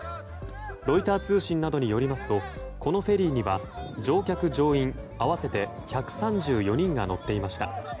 ロイター通信などによりますとこのフェリーには乗客・乗員合わせて１３４人が乗っていました。